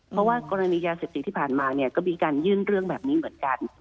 เพราะว่ากรณียาเสพติดที่ผ่านมาเนี่ยก็มีการยื่นเรื่องแบบนี้เหมือนกัน